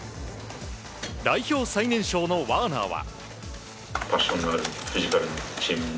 代表最年少のワーナーは。